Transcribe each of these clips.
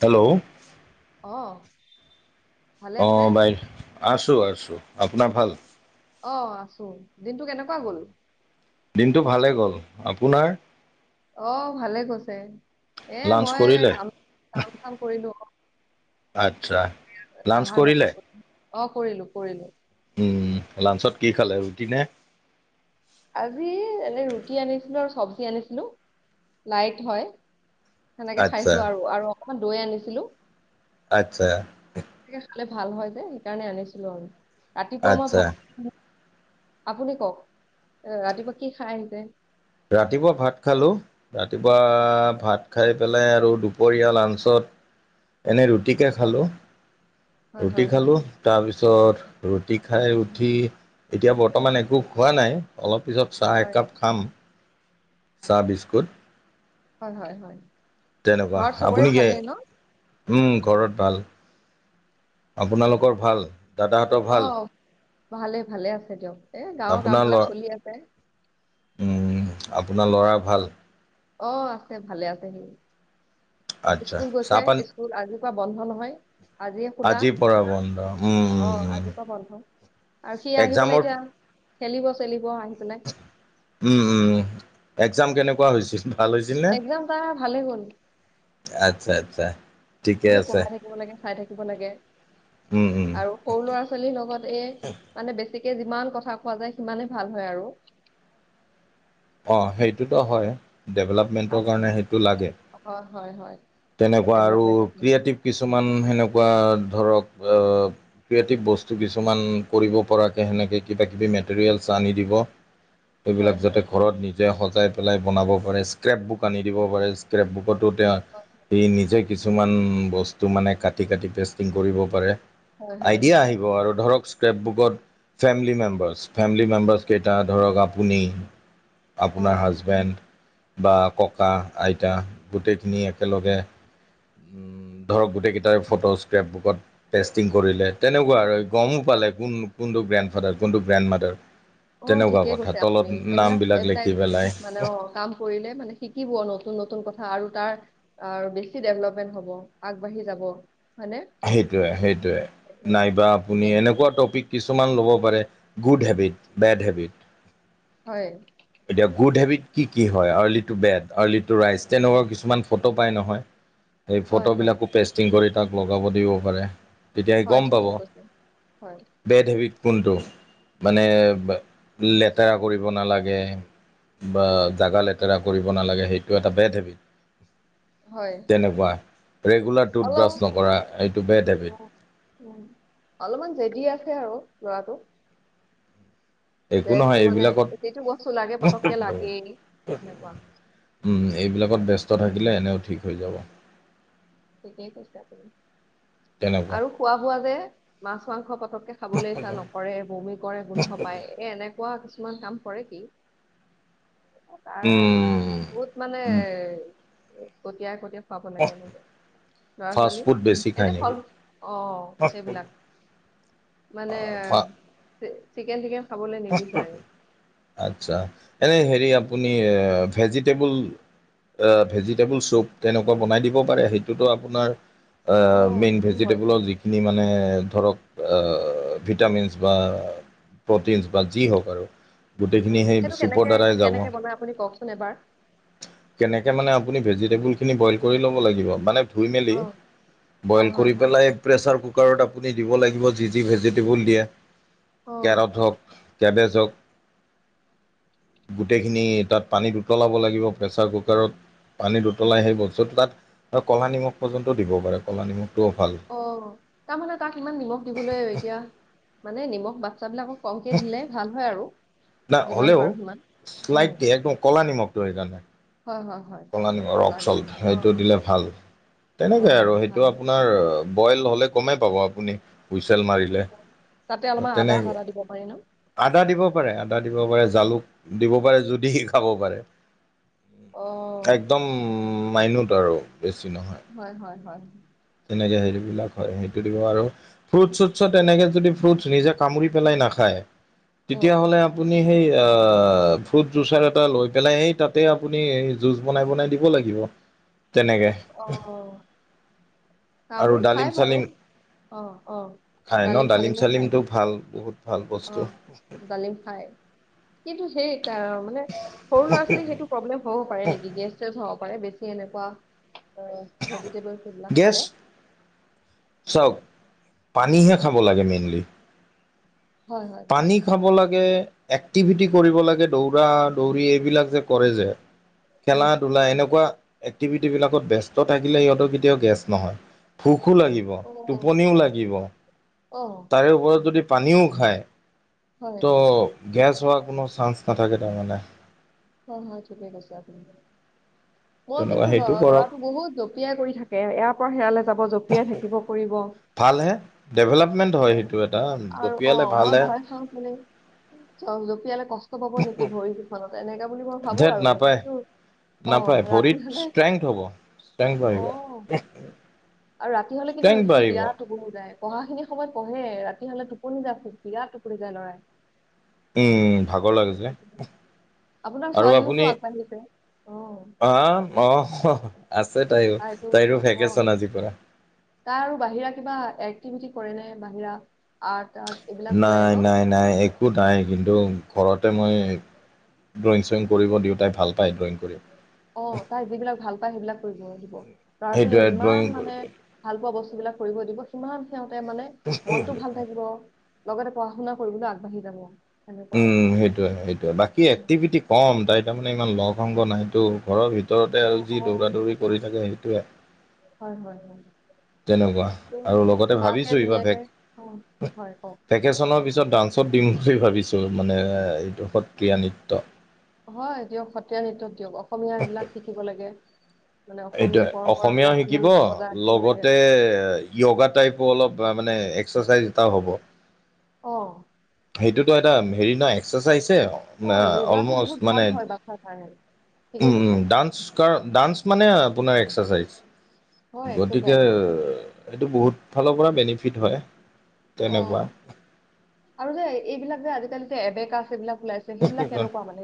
Hello. অহ। অ', বাই আছো, আছো আপোনাৰ ভাল। অ', আছো দিনটো কেনেকুৱা গল। এইটো ভালে গ'ল আপোনাৰ। অ', ভালে কৈছে এ লাঞ্চ মই কৰিলে কাম কাম চাম কৰিলো অ',। আচ্ছা লাঞ্চ আহাৰ ঘৰ- কৰিলে। অ', কৰিলো কৰিলো। উম লাঞ্চত কি খালে ৰুটি নে। আজি এনে ৰুটি আনিছিলো আৰু চব্জি আনিছিলো লাইট হয়। সেনেকে আচ্ছা খাইছো আৰু আৰু অকমান দৈ আনিছিলো। আচ্ছা। [unintelligible] ভাল হয় যে সেইকাৰণে আনিছিলো আৰু ৰাতিপুৱা মই আচ্ছা ভাত আপুনি কওক এ ৰাতিপুৱা কি খাই আহিছে? ৰাতিপুৱা ভাত খালোঁ ৰাতিপুৱা ভাত খাই পেলাই আৰু দুপৰীয়া লাঞ্চত এনে ৰুটিকে খালো হয় হয় ৰুটি হয় খালো তাৰপিছত তাৰপিছত ৰুটি খাই উঠি এতিয়া বৰ্তমান একো খোৱা নাই অলপ পিছত চাহ হয় একাপ খাম। চাহ বিস্কুট। হয়, হয়, হয়। তেনেকুৱা ঘৰত চবৰে আপুনিকে ভালেই ন উম, ঘৰত ভাল। আপোনালোকৰ ভাল? দাদাহঁতৰ ভাল? অ', ভালেই ভালে আছে দিয়ক এ গাঁৱৰ কাম আপোনাৰ ল বিলাক চলি আছে। [inaudible] উম, আপোনাৰ ল'ৰা ভাল? অ', আছে ভালে আছে সি। আচ্ছা, ইস্কুল গৈছে চাহপানী ইস্কুল আজিপৰা বন্ধ নহয়। আজিয়ে খোলা আজিৰ পৰা বন্ধ উম, অ আজিৰ উম-উম। পৰা বন্ধ আৰু সি আহি পেলাই এতিয়া খেলিব চেলিব আহি পেলাই। একজাম কেনেকুৱা হৈছিল? ভাল হৈছিল নে? একজাম তাৰ ভালে হ'ল। আচ্ছা আচ্ছা। ঠিকে বহুত আছে। পঢ়াই থাকিব লাগে চাই থাকিব লাগে। উম, উম। আৰু সৰু ল'ৰা ছোৱালীৰ লগত এই মানে বেছি যিমান কথা কোৱা যায় সিমানেই ভাল হয় আৰু। অ', সেইটোতো হয় আহ, ডেভেলপমেণ্টৰ কাৰণে সেইটো লাগে। হয় হয় হয় তেনেকুৱা আৰু ডেভলপমেন্টত ক্ৰিয়েটিভ কিছুমান সেনেকুৱা ধৰক ক্ৰিয়েটিভ বস্তু কিছুমান কৰিব পৰাকৈ সেনেকৈ কিবা কিবি মেটেৰিয়েলছ আনি দিব। হয় এইবিলাক হয় যাতে ঘৰত নিজে সজাই পেলাই বনাব পাৰে স্ক্ৰেপ বুক আনি দিব পাৰে স্ক্ৰেপ বুক। টো তেওঁ সি নিজে কিছুমান বস্তু মানে কাটি কাটি পেষ্টিং কৰিব পাৰে। হয় হয় আইডিয়া হয় আহিব আৰু ধৰক স্ক্ৰেপ বুকত ফেমিলি মেম্বাৰছ ফেমিলি মেম্বাৰছ কেইটা ধৰক আপুনি আপোনাৰ অ হাজবেণ্ড বা ককা আইতা গোটেইখিনি একেলগে উম, ধৰক গোটেইকেইটাই ফটো স্ক্ৰেপ বুকত টেষ্টিং কৰিলে তেনেকুৱা আৰু গম পাই কোন তো গ্ৰেণ্ড ফাদাৰ, কোনতো গ্ৰেণ্ড মাদাৰ অ', তেনেকুৱা ঠিকে কটা কৈছে তলত আপুনি নাম বিলাক [unintelligible] মানে অ', কাম কৰিলে মানে শিকিব নতুন নতুন কথা আৰু তাৰ বেছি ডেভলপমেন্ট, হব আগবাঢ়ি যাব। হয়নে? সেইটোয়ে-সেইটোয়ে নাইবা আপুনি ঠিকে কৈছে এনেকোৱা টপিক কিছুমান কব পাৰে গুড হেবিট বেড হেবি হয়, এতিয়া গুড হেবিট কি কি হয় early to bed early to rise তেনেুৱৰ কিছুমান ফটো পায় নহয় সেই হয়, হয়, ফটোবিলাকো পেষ্টিং কৰি তাক লগাব দিব পাৰে। তেতিয়া শি হয়, গম ঠিকে পাব কৈছে হয়, বেড হেবিট কোনটো মানে লেতেৰা কৰিব নালাগে। বা জাগা লেতেৰা কৰিব নালাগে সেইটো এটা বেড হেবিট। হয়। তেনেকুৱা ৰেগুলাৰ টুথব্ৰাছ অলপ কৰা এইটো বেড হেবিট। উম, উম, অলপমান জেদি আছে আৰু লৰাটো। যে একো তো নহয় মানে এইবিলাকত যিটো বস্তু লাগে পতককে লাগেই সেনেকুৱা উম এইবিলাকত ব্যস্ত থাকিলে এনেও ঠিক হৈ যাব। থিকেই কয়চে আপোনি তেনেকুৱা। আৰু খোৱা বোৱা যে মাছ মাংস প পতককে খাবলৈ ইচ্ছা নকৰে বমি কৰে গোন্ধ পায় এ এনেকুৱা কিছুমান কাম কৰে সি তাৰ উম, বহুত মানে কটিয়াই কটীয়া পাব লাগে এনেকে লৰা ফাষ্ট ছোৱালী ফুড বেছি খায় এনে নেকি? ফল অ সেইবিলাক মানে চিকেন চিকেন আত্ছা এনেই হেৰি আ আপুনি ভেজিটেবল ভেজিটেবল চুপ তেনেকুৱা বনাই দিব পাৰে সেইটো এইটোতো আপোনাৰ অ মেইন সেইটো হয় ভেজিটেবলৰ যিখিনি মানে ধৰক ভিটামিনছ বা প্ৰ'টিনছ বা যি হওক আৰু গোটেইখিনি উম সেই সেইটো চুপৰ কেনেকে দ্বাৰাই গাব কেনেকে বনাই আপুনি কওকচোন এবাৰ কেনেকে মানে আপুনি ভেজিটেবল বই' ল মান ধই মি অ হয় বইল হয় কৰি হয় পেলাইে কুকাৰত আপুনি দিব লাগিব যি যি ভেজিটেবল দিয়ে অ কেৰাট হওক কে বেছক [unintelligible] গোটেইখিনি তাত পানীত উতলাব লাগিব প্ৰেছাৰ কুকাৰত পানীত উতলাই সেই বস্তু তাত ক'লা নিমখ পৰ্যন্ত দিব পাৰে ক'লা নিমখ অ তাৰমানে তাক ইমান নিমখ দিবলৈ এতিয়া মানে নিমখ বাচ সস্তাবিলাকক কমকে দিলে ভাল হয় আৰু না যিমান হ'লেও পাৰো সিমান উম জয় জানাই হয় হয় হয় কল কলা ৰক চল্ট নিমখ। অ সেইটো দিলে অ ভাল অ তেনেকে আৰু ভাল সেইটো হয়। আপোনাৰ বইল হ'লে কমেই পাব আপুনি হুইচেল মাৰিলে তাতে ত অলপমান আদা তেনেকৈ চাদা দিব পাৰি ন আদা দিব পাৰে আদা দিব পাৰে জালুক দিব পাৰে যুদি খাব পাৰে অ একদম মাইনত আৰু বেছি নহয় হয় হয় হয় তেনেকে সেইবিলাক হয় সেইটো দিব আৰু ফ্ৰুট চুটত তেনেকে যদি ফ্ৰুট নিজে কামুৰি পেলাই নাখায় উম তেতিয়াাহ'লে আপুনি সেই এ ফ্ৰুট জুচাৰ এটা লৈ পেলাই সেই তাতে আপুনি জুচ বনাই বনাই দিব লাগিব তেনেকে অ আৰু কামুৰি ডালিম খাই বাৰু চালিম অ অ খাই ন ডালিম চালিমো খায় চালিমটো ভাল বহুত ভাল অ বস্তু জালিম খাই কি ত সেই ত মানে সৰু ল'ৰা ছোৱালী সেইটো প্ৰব্লেম হব পাৰে নেকি গেষ্ট চে হ কৰে বেছি এনেকুৱা এ ভেজিটেবল এইবিলাক গেছ খালে চাওক পানীহে খাব লাগে মেইনলি হয় হয় পানী খাব লাগে এক্টিভিটি কৰিব লাগে দৌৰা দৌৰি এইবিলাক যে কৰে যে উম খেলা ধূলা এনেকুৱা এক্টিভিট বিলাকত ব্যস্ত থাকিলে সিহঁতৰ কেতিয়াও গেছ নহয় ভোকো লাগিব অ টোপনিও লাগিব অ তাৰে ওপৰত যদি পানীও খায় হয় ত' গেছ হোৱাৰ কোনো চান্স না থাকে তাৰমানে। অ হয় থিকেই কৈছে আপনি। মই তেনেকুৱা কিন্তু ল সেইটো কৰক ল'ৰাটো বহুত জঁপিয়াই কৰি থাকে এয়াৰ পৰা সেয়ালে যাব জঁপিয়াই থাকিব কৰিব। ভালহে ডেভেলপমেণ্ট এ হয় সেইটো এটা জপিয়ালে ভালহে। চ জপিয়ালে কষ্ট পাব নেকি ভৰি পচনত এনেকা বুলি মই ভাবো ধেত আৰু নাপায় সেইটো নাপায় ভৰিত ষ্ট্ৰেং হব ষ্ট্ৰং অ বাঢ়িব। আৰু ৰাতি হলে কিন্তু ষ্ট্ৰেংথ সি বাঢ়িব বিৰাট টোপুবুদাই। পঢ়াখিনি সময়ত পঢ়ে ৰাতি হলে টোপনি যা বিৰাট টোপুৰি যায় লৰাই। উম ভাগৰ লাগে যে। সেইটোৱে। আপোনাৰ আৰু ছোৱালীওতো আপুনি। আগবাঢ়িছে অ অ অ আছে তাইৰো তটো তাইৰো অ ভেকেচন আজিৰ পৰা তাই আৰু বাহিৰা কিবা এক, ম কৰে ন বাহিৰা আৰ্ নাই, নাই, নাই, একো নাই কিন্তু ঘৰত। মই ড্ৰয়িং চয়িং কৰিব দেওঁতাই ভাল পায় ড্ৰয়িং। কৰি অ', তাই যিবিলাক ভাল পায় সেইবিলাক কৰিব দিব। ল'ৰা ছোৱালীয়ে সেইটোৱে ড্ৰয়িং যিমান মানে ভাল পোৱা বস্তুবিলাক কৰিব দিব, সিমান সিহঁতে মানে মনতটো ভাল থাকিব। লগতে পঢ়া-শুনা কৰিবলৈ আগবাঢ়ি যাব। সেনেকুৱা আৰু উম' সেইটোয়ে, সেইটোয়ে বাকী উম। এক্টিভিটি কম তাইৰ। তাৰমানে ইমান লগ সংগ নাইতটো। ঘৰৰ ভিতৰতে অ আৰু যি অ দৌৰা দৌৰি কৰি থাকে সেইটোৱে। হয়, হয়, হয়। তেনেকুৱা তো আৰু লগতে মাকে ভাবিছো এইবা ধুনীয়াকে ভেক, অ হয় কওক ভেকেচনৰ পি ত' ডান্সত দিম বুলি ভাবিছো। মানে এইটো সত্ৰীয়া নৃত্য। হয় দিয়ক সত্ৰীয়া নৃত্যত দিয়ক অসমীয়া এইবিলাক শিকিব লাগে। মানে অসমীয়া এইটোয়ে অসমীয়া পৰম্পৰাবিলাক আমি শিকিব বজাই ৰাখিব লাগে লগতে যোগা টাইপো অলপ মানে। এক্সাৰসাইজ এটাও হ'ব। অ'। সেইটোতো এটা হেৰি না এক্সাৰসাইজ। তে' অ মা য়োগাটো অ'লমষ্ট বহুত ভাল মানে হয় বাচ্ছাৰ কাৰণে ঠিকে কৈছে উম ডান্স কা ডান্স। নে, আপোনাৰ এক্সাৰচাইজ হয় গতিকে এক্সাৰচাইজ হয় সেইটো বহুত ফালৰ পৰা বেনিফিট হয়, অ তেনেকুৱা। আৰু যে এইবিলাক যে আজিকালি যে এবেকাচ এইবিলাক ওলাইছে সেইবিলাক কেনেকুৱা মানে?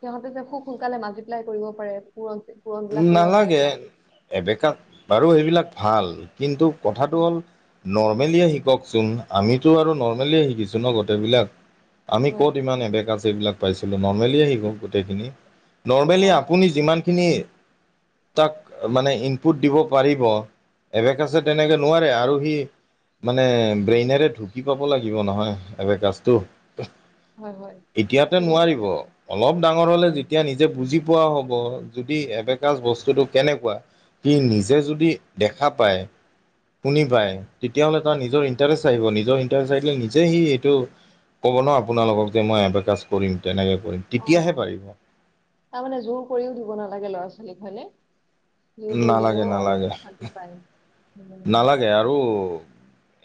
সিহঁতে যে খুব সোনকালে মাজ ৰিপ্লাই কৰিব পাৰে পূৰণ পূৰণ বিলাক কৰিব পাৰে নালাগে, এইবিলাক এবেকাত বাৰু এইেইবিলাক ভাল। কিন্তু অ কথাটো হ'ল ন' মেলিয়ে শিককচোন। আমিতো আৰু নৰ্মেলিয়ে শিকিছো ন' গোটেইবিলাক। আমি হয় ক'ত ইমান এবেকাচ এইবিলাক পাইছিলো নৰ্মেলিয়ে শিকো গোটেইখিনি। অ নৰ্মেলি আপুনি যিমান খিনি। তাক মানে ইনপুট দিব পাৰিব। এবেকাচে তেনেকে নোৱা আৰু সি মানে ব্ৰেইনেৰে ঢুকি পাব লাগিব নহয় এবেকাচটো। হয় হয় এতিয়াতে ঠিকেই নোৱাৰিব কৈছে অলপ ডাঙৰ হ'লে যেতিয়া নিজে বুজি পোৱা হ'ব। যদি এবেক কাচ বস্তুটো কেনেকুৱা সি নিজে যদি দেখা পায়। শুনি পায় তেতিয়া হ'লে তাৰ নিজৰ ইণ্টাৰেষ্ট আহিব। নিজৰ ইণ্টাৰেষ্ট আহিলে নিজে সি সেইটো ক'ব ন' আপোনালোকক যে মই এবেকাচ কৰিম তেনেকে কৰিম অ তেতিয়াহে পাৰিব তাৰমানানে জোৰ কৰিও দিব নালাগে ল'ৰা-ছোৱালীক হয়নে? জুৰ কৰি নালাগে দিলেও নালাগে অলপ অশান্তি পায়। উম নালাগে আৰু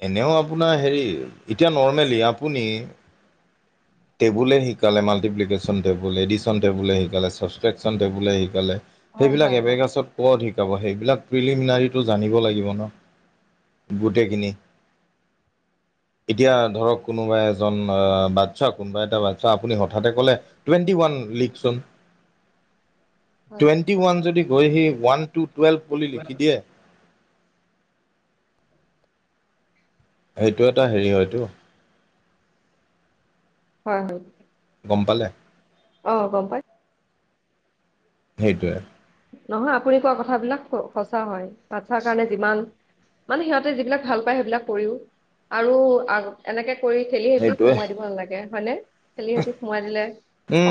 এনেও আপোনাৰ হেৰি এতিয়া নৰ্মেলি আপুনি [inaudible] টেবুলে শিকালে মাল্টিপ্লেকেশ্যন, টেবুলে এডিচন, টেবুলে শিকালে ছাব্ক্ৰেশ্যন টেবুললে শিকালে হয় সেইবিলাক হয় হয় এবেকাছত ক'ত শিকাব। সেইবিলাক প্ৰিলিমিনাৰীটো জানিব লাগিব ন'। গোটেইখিনি। [inaudible] এতিয়া ধৰক কোনোবা এজন অ' বাচ্ছা কোনোবা এটা বাচ্ছা আপুনি হঠাতে ক'লে টুৱেণ্টি ওৱান। লিখচোন। [inaudible] হয় টুৱেণ্টি ওৱান যদি গৈ হি ওৱান টু টুৱেলভ বুলি লিখি দিয়ে সেইটো এটা হেৰি হয়টো হয়, হয়। গম পালে। অ', গম পাই। সেইটোৱে। নহয়, আপুনি কোৱা কথাবিলাক সঁচা হয়। বাচ্ছাৰ কাৰণে যিমান মানে সিহঁতে যিবিলাক ভাল পায় সেইবিলাক কৰিও, আৰু এনেকে কৰি ঠেলিহেঁচি সেইটোৱে সোমোৱাই দিব নালাগে। হয়নে? ঠেলিহেঁচি সোমোৱাই দিলে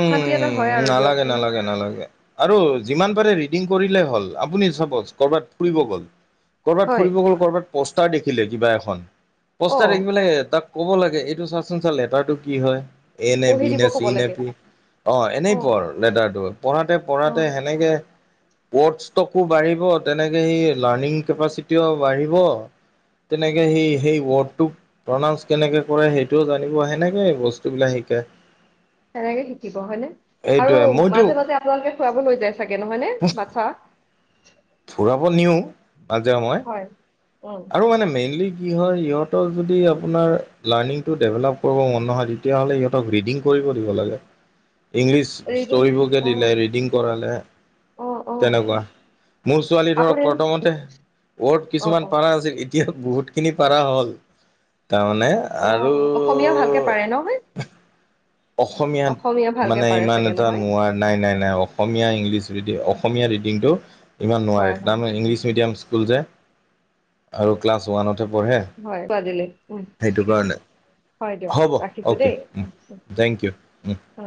অশান্তি এটা হয় আৰু নালাগে, দিয়কচোন নালাগে, নালাগে। আৰু যিমান পাৰি [inaudible] কৰিলেই হ'ল। আপুনি চাপ'জ ক'ৰবাত ফুৰিব গ'ল। ক'ৰবাত হয় ফুৰিব গ'ল ক'ৰবাত পোষ্টাৰ দেখিলে কিবা এখন। অ পোষ্টাৰ দেখি পেলায় তাক ক'ব লাগে, এইটো চাচ [inaudible] লেটাৰটো কি হয়! এ নে? পঢ়ি বি দিব নে? ক'ব চি নে? লাগে পি অ' এনেই পঢ় লেটাৰটো। পঢ়োঁতে অ পঢ়োঁতে তেনেকৈ ৱৰ্ডছ তকো বাঢ়িব! তেনেকে সি লাৰ্ণিং কেপাচিটিও বাঢ়িব! তেনেকে সেই, সেই ৱৰ্ডটোক প্ৰনাউন্স কেনেকে কৰে সেইটোও জানিব। তেনেকৈয়ে বস্তুবিলাক শিকে। তেনেকৈয়ে শিকিব হয়নে? আৰু সেইটোৱে মইতো মাজে-মাজে আপোনালোকে ফুৰাব লৈ যায় চাগে নহয় নে? বাচ্চা। ফুৰাব নিওঁ মাজে সময়ে! হয় উম আৰু মানে মেইনলি কি হয়, সিহঁতক যদি আপোনাৰ লাৰ্ণিংটো ডেভেলপ কৰিব মন নহয়, তেতিয়াহ'লে সিহঁতক ৰেকৰ্ডিং কৰি কৰিব দিব লাগে। ইংলিছ ৰিডিং ষ্টৰিবুক অ দিলে, ৰিডিং কৰালে অ অ তেনেকুৱা। মোৰ ছোৱালী ধৰক আপুনি প্ৰথমতে, ৱৰ্ড অ কিছুমান অ পাৰা আছিল। ই এতিয়া বহুত খিনি পাৰা হ'ল। তাৰমানে, অ অসমীয়া ভালকে পাৰে ন আৰু অসমীয়াত অসমীয়া ভালকে মানে পাৰে ইমান চাগে এটা নহয় নোৱাৰো। নাই, নাই, নাই অসমীয়া, ইংলিছ যদিও অসমীয়া ৰিডিংটো ইমান নোৱাৰে। হয় হয় তাৰমানে ইংলিছ মিডিয়াম ইচ স্কুল যে! আৰু ক্লাছ ওৱানত পঢে, হয় আজিলৈ উম সেইটো কাৰণে। হয় দিয়ক হ'ব ৰাখিছো অকে। দেই থেংক ইউ। ওহ। অ